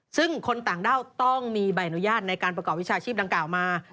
ซึ่งคนต่างด้าวต้องมีใบอนุญาตในการประกอบวิชาชีพดังกล่าวมา